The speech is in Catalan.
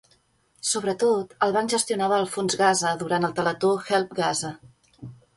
Sobretot, el banc gestionava el Fons Gaza durant el Teletó Help Gaza.